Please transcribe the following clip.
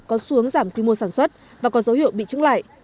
có xu hướng giảm quy mô sản xuất và có dấu hiệu bị trứng lại